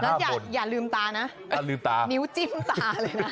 อ้าวลืมตานิ้วจิ้มตาเลยนะ